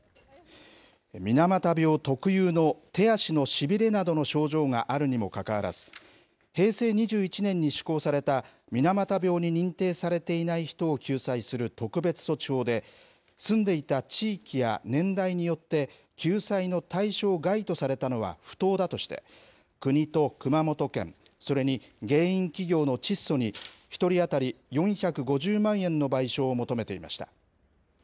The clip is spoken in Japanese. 水俣病特有の手足のしびれなどの症状があるにもかかわらず、平成２１年に施行された水俣病に認定されていない人を救済する特別措置法で、住んでいた地域や年代によって救済の対象外とされたのは不当だとして、国と熊本県、それに原因企業のチッソに、１人当たり４５０万円の賠償を求めていました。